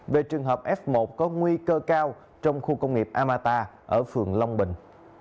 về trường hợp f một có nguy cơ cao trong khu công nghiệp amata ở phường long bình